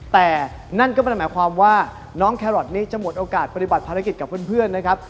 แต่นั่นก็ไม่ได้หมายความว่าน้องแครอทนี้จะหมดโอกาสปฏิบัติภารกิจกับเพื่อนนะครับ